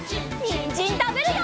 にんじんたべるよ！